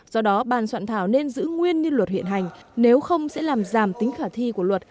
do đó bàn soạn thảo nên giữ nguyên như luật hiện hành nếu không sẽ làm giảm tính khả thi của luật